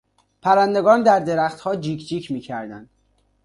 پرندگان در درختها جیک جیک میکردند.